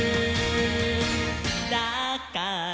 「だから」